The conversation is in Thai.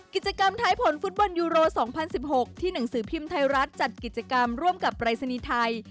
กิจกรรมท้ายผลฟุตบอลยูโร๒๐๑๖ที่หนังสือพิมพ์ไทยรัฐจัดกิจกรรมร่วมกับปรายศนีย์ไทย